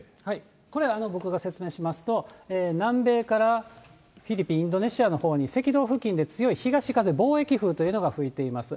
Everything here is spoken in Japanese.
これ、僕が説明しますと、南米からフィリピン、インドネシアのほうに赤道付近で強い東風、貿易風というのが吹いています。